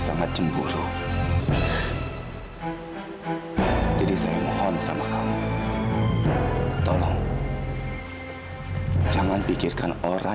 sampai jumpa di video selanjutnya